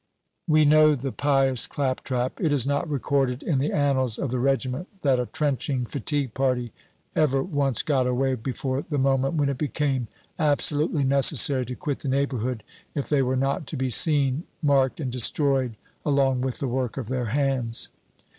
We know the pious claptrap. It is not recorded in the annals of the regiment that a trenching fatigue party ever once got away before the moment when it became absolutely necessary to quit the neighborhood if they were not to be seen, marked and destroyed along with the work of their hands.